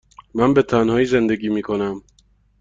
من به تنهایی زندگی می کنم.